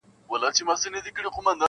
اوس به دې خپل وي آینده به ستا وي-